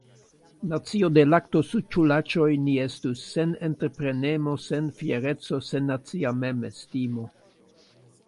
Nacio de laktosuĉulaĉoj ni estus, sen entreprenemo, sen fiereco, sen nacia memestimo.